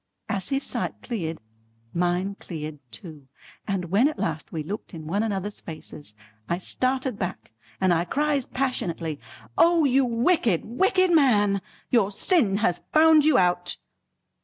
As his sight cleared, mine cleared too, and when at last we looked in one another's faces, I started back, and I cries passionately: "O you wicked wicked man! Your sin has found you out!"